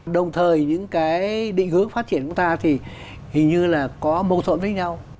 đồng thời những cái định hướng phát triển của ta thì hình như là có mâu thuẫn với nhau